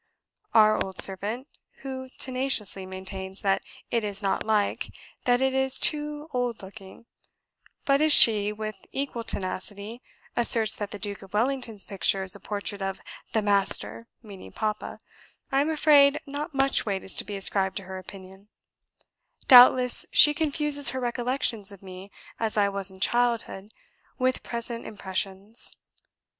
our old servant, who tenaciously maintains that it is not like that it is too old looking; but as she, with equal tenacity, asserts that the Duke of Wellington's picture is a portrait of 'the Master' (meaning Papa), I am afraid not much weight is to be ascribed to her opinion: doubtless she confuses her recollections of me as I was in childhood with present impressions.